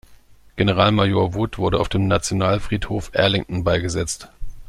Generalmajor Wood wurde auf dem Nationalfriedhof Arlington beigesetzt.